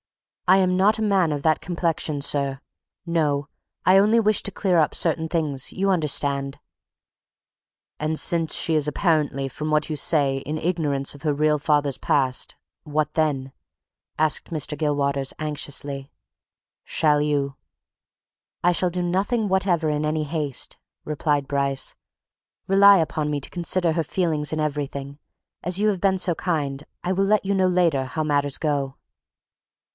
"I am not a man of that complexion, sir. No! I only wished to clear up certain things, you understand." "And since she is apparently from what you say in ignorance of her real father's past what then?" asked Mr. Gilwaters anxiously. "Shall you " "I shall do nothing whatever in any haste," replied Bryce. "Rely upon me to consider her feelings in everything. As you have been so kind, I will let you know, later, how matters go."